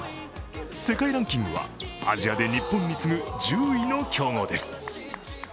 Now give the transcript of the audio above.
世界ランキングはアジアで日本に次ぐ１０位の強豪です。